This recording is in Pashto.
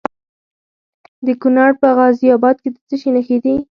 د کونړ په غازي اباد کې د څه شي نښې دي؟